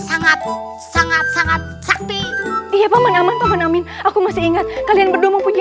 sangat sangat sangat sakti dia paman aman paman amin aku masih ingat kalian berdua mempunyai